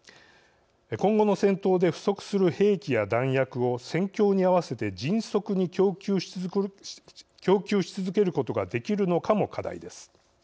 今後の戦闘で不足する兵器や弾薬を戦況に合わせて迅速に供給し続けることができるのかも課題です。